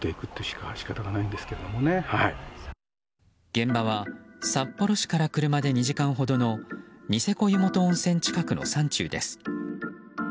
現場は、札幌市から車で２時間ほどのニセコ湯元温泉近くの山中です。